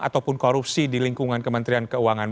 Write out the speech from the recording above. ataupun korupsi di lingkungan kementerian keuangan